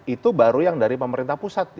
itu memang dari pemerintah pusat ya